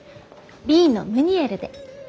Ｂのムニエルで。